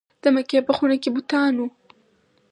د مکې په خونه کې بوتان وو.